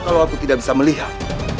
kalau aku tidak bisa melihat